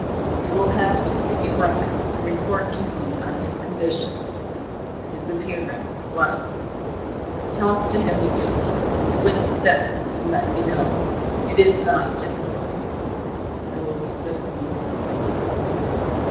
You will have to see a brat and report to me on his condition his appearance, what?... Talk to him a bit.... See what he says and let me know. It is not difficult." "No, citizen."